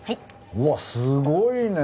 うわっすごいね。